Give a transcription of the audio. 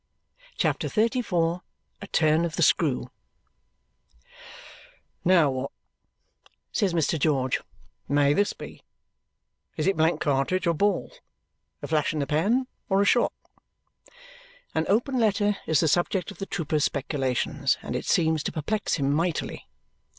CHAPTER XXXIV A Turn of the Screw "Now, what," says Mr. George, "may this be? Is it blank cartridge or ball? A flash in the pan or a shot?" An open letter is the subject of the trooper's speculations, and it seems to perplex him mightily.